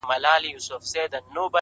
داسې چې اکثر د زړه د سوخته غزل وائې